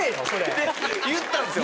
で言ったんですよ！